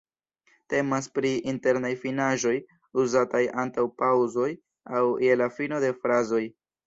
Temas pri „internaj finaĵoj“, uzataj antaŭ paŭzoj aŭ je la fino de frazoj.